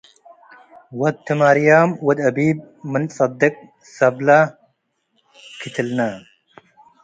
ወድ ትማርያም ወድ አቢብ ምን ጸድቆ ሰብለ ክትልነ